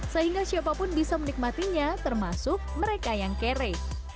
sehingga siapapun bisa menikmatinya termasuk mereka yang kere